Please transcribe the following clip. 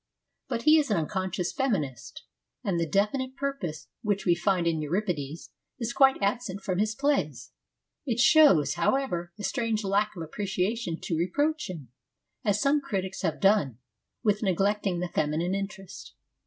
But he is an unconscious feminist, and the definite purpose which we find in Euripides is quite absent from his plays. It shows, however, a strange lack of appreciation to reproach him, as some critics have done, with neglecting the feminine interest.